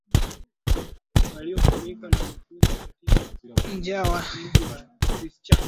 Njaa wahepe wenyeji, huo ndio mkarara,